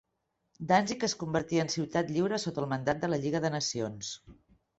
Danzig es convertia en Ciutat Lliure sota el Mandat de la Lliga de Nacions.